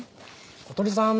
小鳥さん